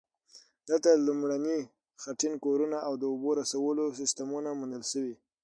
دلته لومړني خټین کورونه او د اوبو رسولو سیستمونه موندل شوي